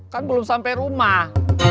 kan belum sampai rumah